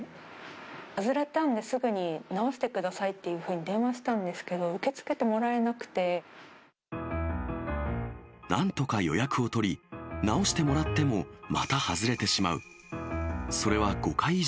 外れたんで、すぐに直してくださいっていうふうに電話したんですけど、受け付なんとか予約を取り、治してもらってもまた外れてしまう。